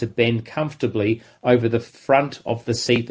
adalah kaki mereka harus berbentuk dengan selesa